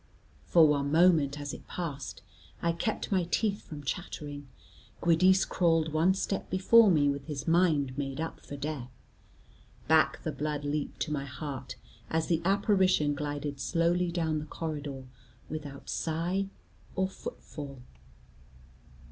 For one moment as it passed, I kept my teeth from chattering. Giudice crawled one step before me, with his mind made up for death. Back the blood leaped to my heart, as the apparition glided slowly down the corridor without sigh or footfall.